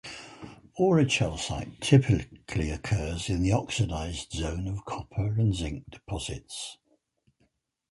Aurichalcite typically occurs in the oxidized zone of copper and zinc deposits.